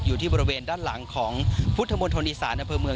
อยู่ที่บริเวณด้านหลังของพุทธมณฑลอีสานอำเภอเมือง